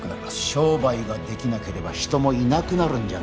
商売ができなければ人もいなくなるんじゃないか？